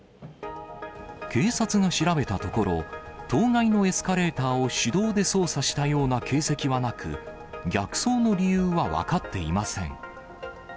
警察が調べたところ、当該のエスカレーターを手動で操作したような形跡はなく、逆走の理由は分かっていません。